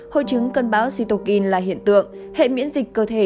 hội chứng cơn bão cytokine là hiện tượng hệ miễn dịch cơ thể